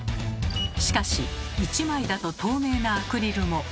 しかし１枚だと透明なアクリルも。